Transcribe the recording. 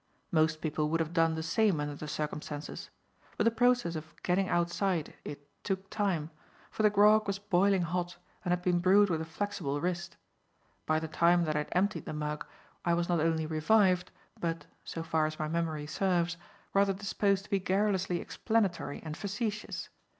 Most people would have done the same under the circumstances. But the process of "getting outside" it took time, for the grog was boiling hot and had been brewed with a flexible wrist. By the time that I had emptied the mug I was not only revived, but (so far as my memory serves) rather disposed to be garrulously explanatory and facetious.